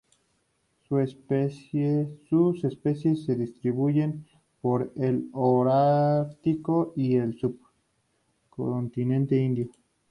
Sus especies se distribuyen por el holártico y el subcontinente indio.